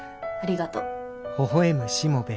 ありがとう。